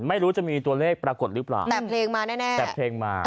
ไม่รู้จะมีตัวเลขปรากฏหรือเปล่าแต่เพลงมาแน่แน่แต่เพลงมา